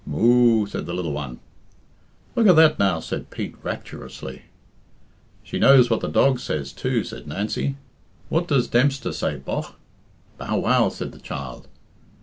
"Moo o," said the little one. "Look at that now!" said Pete rapturously. "She knows what the dog says too," said Nancy. "What does Dempster say, bogh?" "Bow wow," said the child.